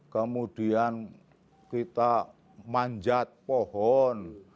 kemudian kita manjat pohon